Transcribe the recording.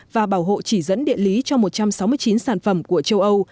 và bảo hộ chỉ dẫn địa lý cho một trăm sáu mươi chín sản phẩm của châu âu